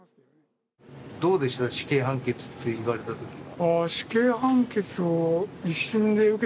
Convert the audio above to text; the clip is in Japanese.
どうでした、死刑判決って言われたときは。